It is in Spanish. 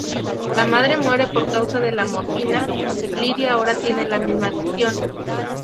La madre muere por causa de la morfina, Lidia ahora tiene la misma adicción.